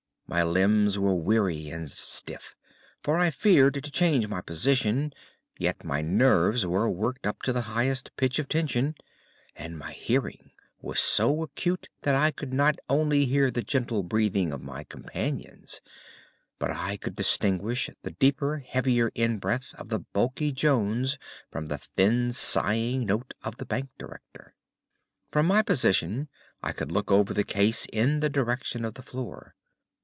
My limbs were weary and stiff, for I feared to change my position; yet my nerves were worked up to the highest pitch of tension, and my hearing was so acute that I could not only hear the gentle breathing of my companions, but I could distinguish the deeper, heavier in breath of the bulky Jones from the thin, sighing note of the bank director. From my position I could look over the case in the direction of the floor.